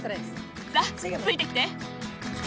さあついてきて！